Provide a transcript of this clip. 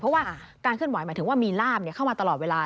เพราะว่าการเคลื่อนไหวหมายถึงว่ามีล่ามเข้ามาตลอดเวลา